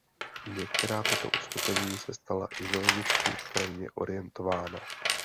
Některá tato uskupení se stala ideologicky krajně orientovaná.